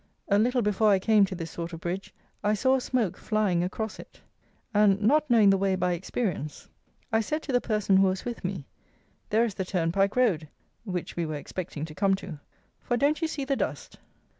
A little before I came to this sort of bridge I saw a smoke flying across it; and, not knowing the way by experience, I said to the person who was with me, "there is the turnpike road (which we were expecting to come to); for, don't you see the dust?"